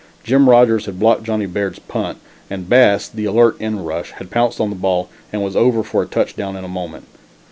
Jim Rodgers had blocked Johnnie Baird's punt and Bass, the alert end rush, had pounced on the ball and was over for a touchdown in a moment.